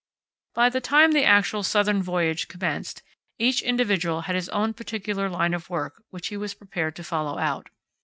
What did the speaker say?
By the time the actual southern voyage commenced, each individual had his own particular line of work which he was prepared to follow out.